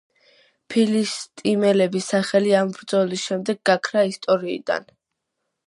ფილისტიმელების სახელი ამ ბრძოლის შემდეგ გაქრა ისტორიიდან.